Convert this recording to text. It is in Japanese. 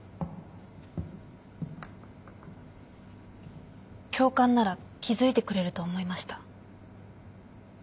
教官なら気付いてくれると思いました。